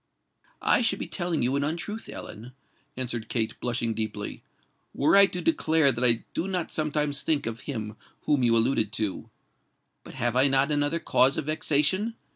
"I should be telling you an untruth, Ellen," answered Kate, blushing deeply, "were I to declare that I do not sometimes think of him whom you alluded to. But have I not another cause of vexation?